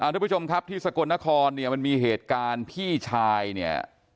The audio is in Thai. ทุกผู้ชมครับที่สกลนครเนี่ยมันมีเหตุการณ์พี่ชายเนี่ย